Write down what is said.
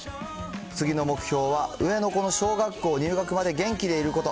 次の目標は、上の子の小学校入学まで元気でいること。